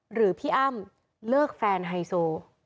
หรือพี่อ้ำเลิกแฟนไฮโซ